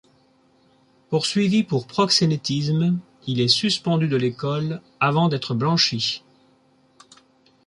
Poursuivi pour proxénétisme, il est suspendu de l'École, avant d'être blanchi.